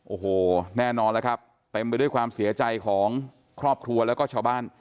โอ้โหแน่นอนแล้วครับเต็มไปด้วยความเสียใจของครอบครัวแล้วก็ชาวบ้าน